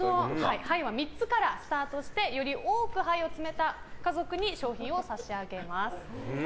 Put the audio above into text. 牌は３つからスタートしてより多く牌を積み上げた家族に商品を差し上げます。